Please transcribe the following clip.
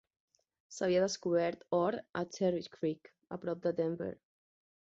S'havia descobert or a Cherry Creek, a prop de Denver.